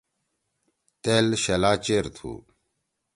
تیل شلہ چیر تھو۔